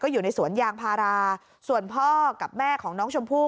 อยู่ในสวนยางพาราส่วนพ่อกับแม่ของน้องชมพู่